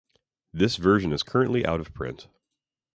This version is currently out of print.